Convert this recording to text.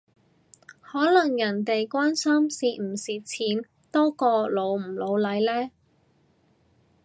可能人哋關心蝕唔蝕錢多過老唔老嚟呢？